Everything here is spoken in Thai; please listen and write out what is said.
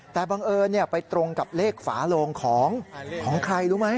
แต่บังเอิญไปตรงกับเลขฝาโลงของใครรู้ไหม